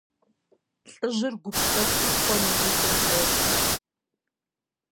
ЛӀыжьыр гупсэхуу къуэм и нитӀым щӀоплъэ.